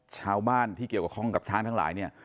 ชาวบ้านที่เกี่ยวข้องกับช้างทั้งหลายเนี่ย